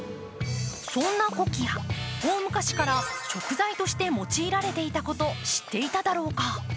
そんなコキア、大昔から食材として用いられていたこと知っていただろうか。